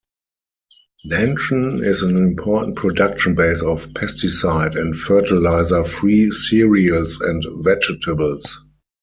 Nanchen is an important production base of pesticide- and fertilizer-free cereals and vegetables.